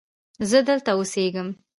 زه دلته اوسیږم